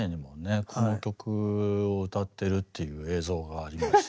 この曲を歌ってるっていう映像がありまして。